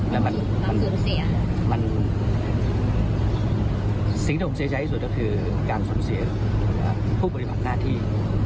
แล้วมันสิ่งที่ผมเสียใจที่สุดก็คือการสูญเสียผู้ปฏิบัติหน้าที่